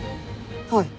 はい。